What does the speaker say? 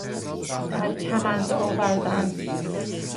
در کمند آوردن